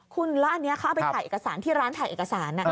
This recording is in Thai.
คุณแล้วอันนี้เขาเอาไปถ่ายเอกสารที่ร้านถ่ายเอกสาร